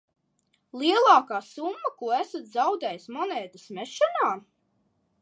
Lielākā summa, ko esat zaudējis monētas mešanā?